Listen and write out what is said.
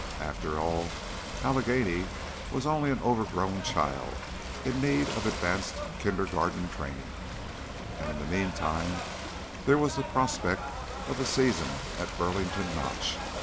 After all, Allegheny was only an overgrown child in need of advanced kindergarten training, and in the meantime there was the prospect of a season at Burlington Notch.